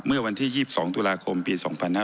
เมื่อวันที่๒๒ตุลาคมปี๒๕๕๙